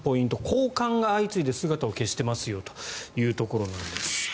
高官が相次いで姿を消していますよというところです。